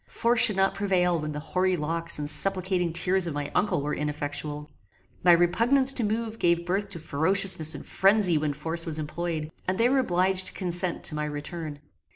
Force should not prevail when the hoary locks and supplicating tears of my uncle were ineffectual. My repugnance to move gave birth to ferociousness and phrenzy when force was employed, and they were obliged to consent to my return.